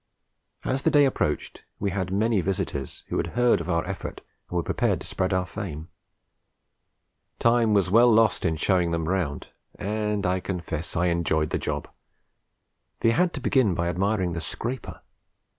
As the day approached we had many visitors, who had heard of our effort and were prepared to spread our fame; time was well lost in showing them round, and I confess I enjoyed the job. They had to begin by admiring the scraper.